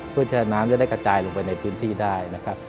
เพื่อที่น้ำจะได้กระจายลงไปในพื้นที่ได้นะครับ